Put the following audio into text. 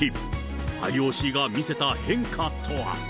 ＩＯＣが見せた変化とは。